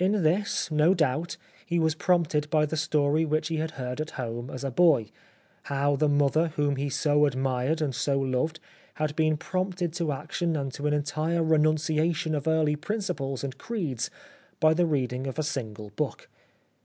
In this, no doubt, he was prompted by the story which he had heard at home as a boy, how the mother whom he so admired and so loved had been prompted to action and to an entire renunciation of early principles and creeds by the reading of a single book.